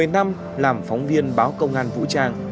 một mươi năm làm phóng viên báo công an vũ trang